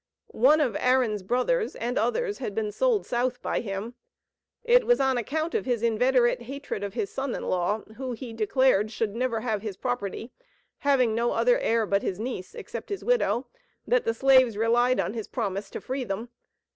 One of Aaron's brothers, and others, had been sold South by him. It was on account of his inveterate hatred of his son in law, who, he declared, should never have his property (having no other heir but his niece, except his widow), that the slaves relied on his promise to free them.